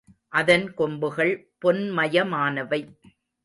அதன் கொம்புகள் பொன்மயமானவை.